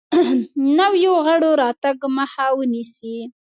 نویو غړو راتګ مخه ونیسي.